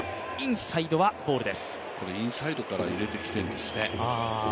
インサイドから入れてきているんですね。